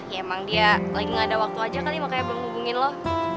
ya emang dia lagi gak ada waktu aja kali makanya belum hubungin loh